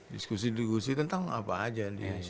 diskusi diskusi tentang apa aja